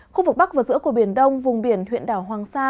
khu vực bắc và giữa của biển đông vùng biển huyện đảo hoàng sa